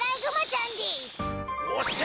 おっしゃ！